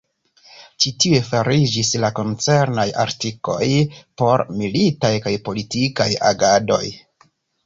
Ĉi tiuj fariĝis la koncernaj artikoj por militaj kaj politikaj agadoj.